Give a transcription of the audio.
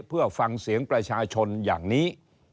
เพื่อฟังเสียงประชาชนอย่างนี้